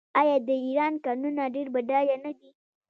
آیا د ایران کانونه ډیر بډایه نه دي؟